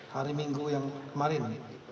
hari minggu yang kemarin